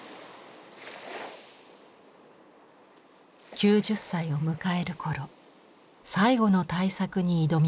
９０歳を迎える頃最後の大作に挑み始めます。